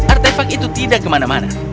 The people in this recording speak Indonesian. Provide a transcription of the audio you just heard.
artefak itu tidak kemana mana